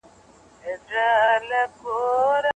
د ادب مینه وال تل د نوي کلام په لټه وي.